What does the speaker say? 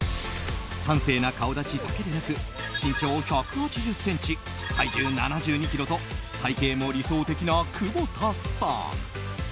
端正な顔立ちだけでなく身長１８０ｃｍ体重７２ｋｇと体形も理想的な久保田さん。